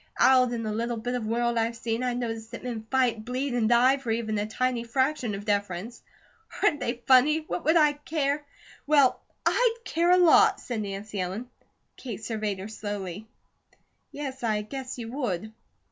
Out in the little bit of world I've seen, I notice that men fight, bleed, and die for even a tiny fraction of deference. Aren't they funny? What would I care ?" "Well, I'D care a lot!" said Nancy Ellen. Kate surveyed her slowly. "Yes, I guess you would."